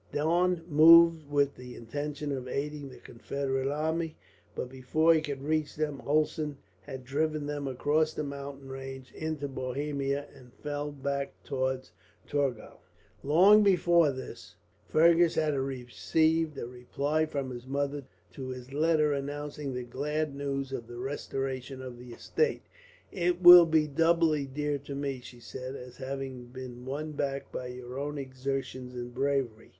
Daun moved with the intention of aiding the Confederate army, but before he could reach them Hulsen had driven them across the mountain range into Bohemia, and fell back towards Torgau. Long before this Fergus had received a reply, from his mother, to his letter announcing the glad news of the restoration of the estate: "It will be doubly dear to me," she said, "as having been won back by your own exertions and bravery.